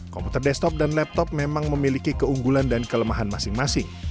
komputer desktop dan laptop memang memiliki keunggulan dan kelemahan masing masing